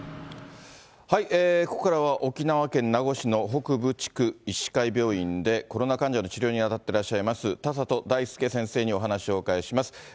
ここからは沖縄県名護市の北部地区医師会病院でコロナ患者の治療に当たってらっしゃいます、田里大輔先生にお話をお伺いします。